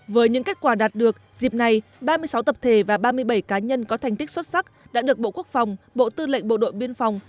với những kết quả đạt được dịp này ba mươi sáu tập thể và ba mươi bảy cá nhân có thành tích xuất sắc đã được bộ quốc phòng bộ tư lệnh bộ đội biên phòng